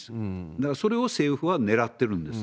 だからそれを政府はねらってるんです。